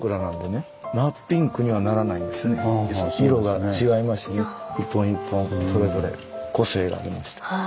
色が違いますし一本一本それぞれ個性がありまして。